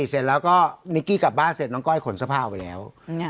เสร็จแล้วก็นิกกี้กลับบ้านเสร็จน้องก้อยขนเสื้อผ้าออกไปแล้ว